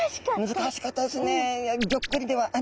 難しかったですね。